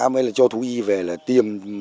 mới là cho thú y về là tiêm